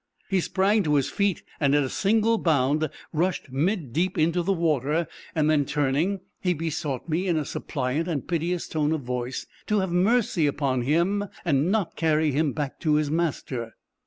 He sprang to his feet, and, at a single bound, rushed middeep into the water, then turning, he besought me in a suppliant and piteous tone of voice, to have mercy upon him, and not carry him back to his master.